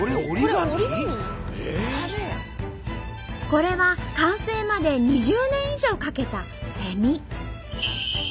これは完成まで２０年以上かけた「セミ」。